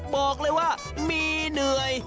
บอกเลยว่ามีเหนื่อย